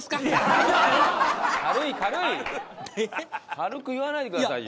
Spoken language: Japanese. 軽く言わないでくださいよ。